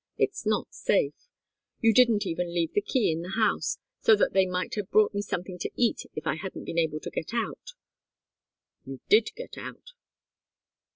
It's not safe. You didn't even leave the key in the house, so that they might have brought me something to eat if I hadn't been able to get out." "You did get out."